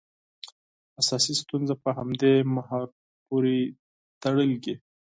اساسي ستونزه په همدې محور پورې تړلې.